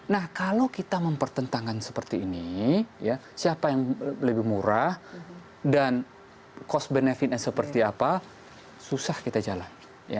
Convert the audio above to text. nah kalau kita mempertentangkan seperti ini siapa yang lebih murah dan cost benefitnya seperti apa susah kita jalan